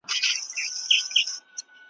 که د ښاروالۍ پولیس فعال وي، نو غصب نه کیږي.